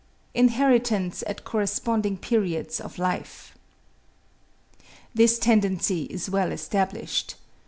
INHERITANCE AT CORRESPONDING PERIODS OF LIFE. This tendency is well established.